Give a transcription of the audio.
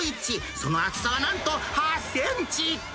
その厚さは、なんと８センチ。